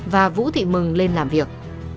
và vũ thị mừng lên làm việc